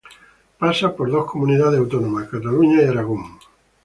Pasa por dos comunidades autónomas, Cataluña y Aragón.